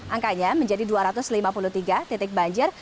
angkanya menjadi dua ratus lima puluh tiga titik banjir